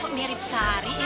kok mirip sari ya